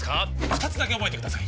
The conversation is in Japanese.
二つだけ覚えてください